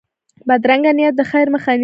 بدرنګه نیت د خیر مخه نیسي